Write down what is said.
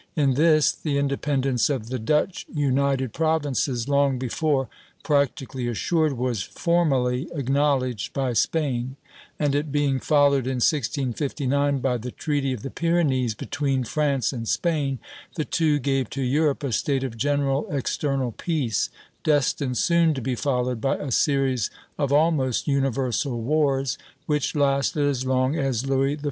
In this the independence of the Dutch United Provinces, long before practically assured, was formally acknowledged by Spain; and it being followed in 1659 by the Treaty of the Pyrenees between France and Spain, the two gave to Europe a state of general external peace, destined soon to be followed by a series of almost universal wars, which lasted as long as Louis XIV.